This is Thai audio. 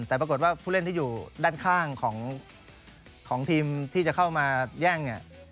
แต่ปรากฏว่าผู้เล่นที่อยู่ด้านข้างของทีมที่จะเข้ามาแย่งเนี่ย